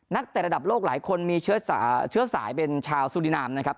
เตะระดับโลกหลายคนมีเชื้อสายเป็นชาวสุรินามนะครับ